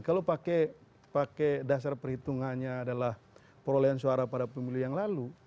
kalau pakai dasar perhitungannya adalah perolehan suara pada pemilu yang lalu